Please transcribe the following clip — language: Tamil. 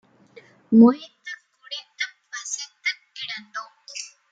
மொய்த்துக் குடித்துப் பசித்துக் கிடந்தோம்